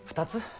２つ？